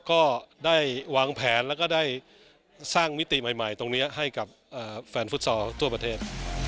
ก็ได้วางแผนแล้วก็ได้สร้างมิติใหม่ตรงนี้ให้กับแฟนฟุตซอลทั่วประเทศ